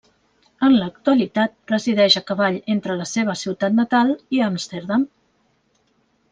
En l'actualitat, resideix a cavall entre la seva ciutat natal i Amsterdam.